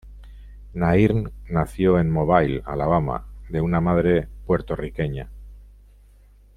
Nairn nació en Mobile, Alabama, de una madre puertorriqueña.